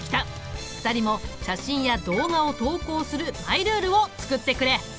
２人も写真や動画を投稿するマイルールを作ってくれ。